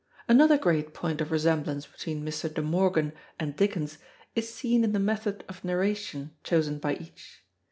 Another great point of resemblance between Mr. De Morgan and Dickens is seen in the method of narration chosen by each.